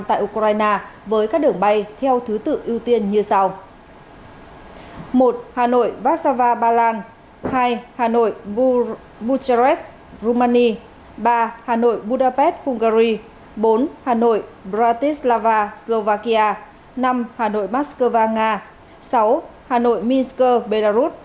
hà nội vasava baland hai hà nội bucharest rumani ba hà nội budapest hungary bốn hà nội bratislava slovakia năm hà nội maskova nga sáu hà nội minsk belarus